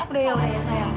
udah ya udah ya sayang